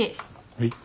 はい。